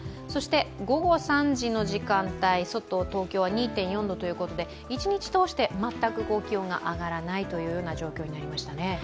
午後３時の時間帯、外、東京は２．４度ということで、一日通して全く気温が上がらないという状況になりましたね。